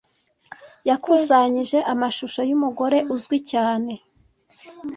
yakusanyije amashusho y’umugore uzwi cyane